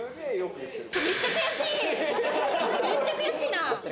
めっちゃ悔しいな。